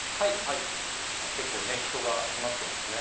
結構ね、人が集まっていますね。